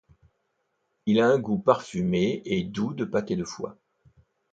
Il a un goût parfumé et doux de pâté de foie.